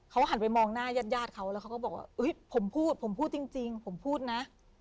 เขาหันไปมองหน้าญาติเขาแล้วเขาก็บอกว่าผมพูดผมพูดจริงผมพูดนะ